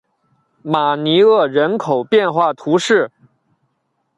马尼厄人口变化图示